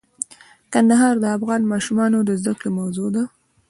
کندهار د افغان ماشومانو د زده کړې موضوع ده.